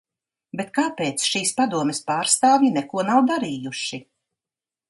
Bet kāpēc šīs padomes pārstāvji neko nav darījuši?